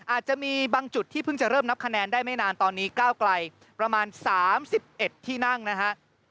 อาจจะมีบางจุดที่เพิ่งจะเริ่มนับคะแนนได้ไม่นานตอนนี้ก้าวไกลประมาณ๓๑ที่นั่งนะฮะ